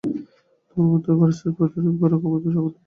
তোমার মতো কার্সের প্রতিরোধ করার ক্ষমতা সবার নেই।